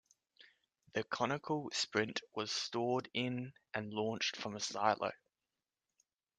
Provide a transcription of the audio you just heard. The conical Sprint was stored in and launched from a silo.